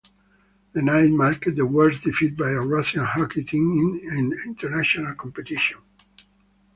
The night marked the worst defeat by a Russian hockey team in international competition.